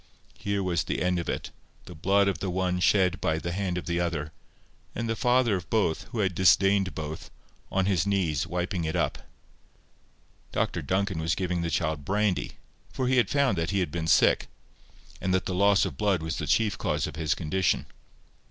Here was the end of it—the blood of the one shed by the hand of the other, and the father of both, who had disdained both, on his knees, wiping it up. Dr Duncan was giving the child brandy; for he had found that he had been sick, and that the loss of blood was the chief cause of his condition.